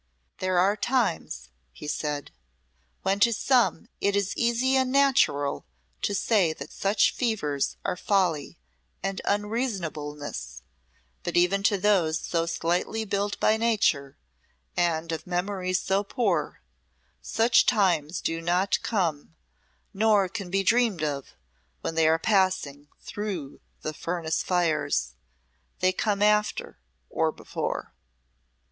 "There are times," he said, "when to some it is easy and natural to say that such fevers are folly and unreasonableness but even to those so slightly built by nature, and of memories so poor, such times do not come, nor can be dreamed of, when they are passing through the furnace fires. They come after or before."